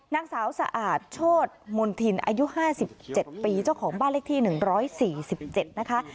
นางสาวสะอาดโชธมนธินอายุ๕๗ปีเจ้าของบ้านเลขที่๑๔๗นะคะ